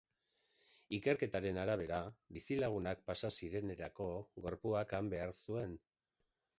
Ikerketaren arabera, bizilagunak pasa zirenerako gorpuak han behar zuen.